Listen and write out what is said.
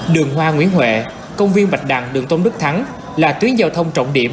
đường hoa nguyễn huệ công viên bạch đằng đường tôn đức thắng là tuyến giao thông trọng điểm